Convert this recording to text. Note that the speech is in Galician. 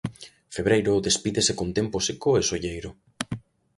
Febreiro despídese con tempo seco e solleiro.